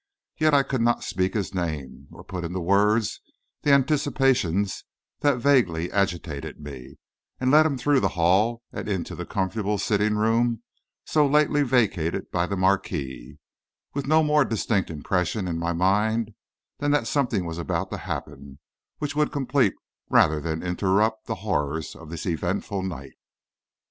Yet I could not speak his name, or put into words the anticipations that vaguely agitated me, and led him through the hall and into the comfortable sitting room so lately vacated by the marquis, with no more distinct impression in my mind than that something was about to happen which would complete rather than interrupt the horrors of this eventful night.